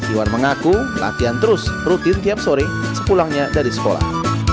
iwan mengaku latihan terus rutin tiap sore sepulangnya dari sekolah